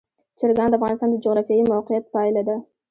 چرګان د افغانستان د جغرافیایي موقیعت پایله ده.